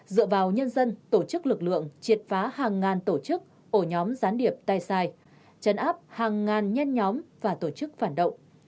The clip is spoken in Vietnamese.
dựa vào nhân dân tổ chức lực lượng triệt phá hàng ngàn tổ chức ổ nhóm gián điệp tay sai chấn áp hàng ngàn nhen nhóm và tổ chức phản động